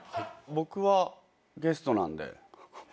僕はゲストなんで。